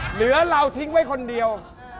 เหลือเราทิ้งไว้คนเดียว